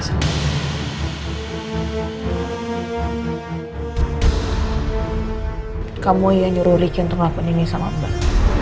kamu yang nyuruh riki untuk ngelakuin ini sama mbak